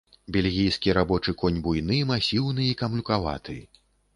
Бельгійскі рабочы конь буйны, масіўны і камлюкаваты.